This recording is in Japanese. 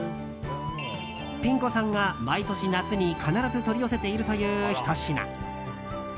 ピン子さんが毎年夏に必ず取り寄せているというひと品。